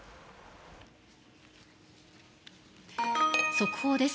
速報です。